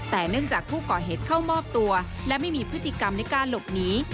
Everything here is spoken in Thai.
แต่เนื่องจากผู้ก่อเหตุเข้ามอบตัวและไม่มีพฤติกรรมในการหลบหนี